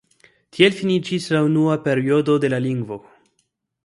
Tiel finiĝis la unua periodo de la lingvo.